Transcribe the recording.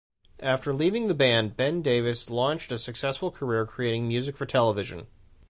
After leaving the band, Ben Davis launched a successful career creating music for television.